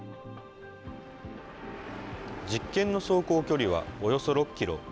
実験の走行距離はおよそ６キロ。